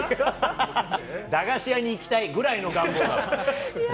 駄菓子屋に行きたいぐらいの願望だわ。